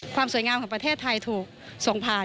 ความสวยงามของประเทศไทยถูกส่งผ่าน